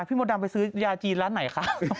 พี่หมดบังไปสื้อย่าจีนร้านไหนคะ